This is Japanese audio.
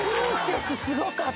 すごかった。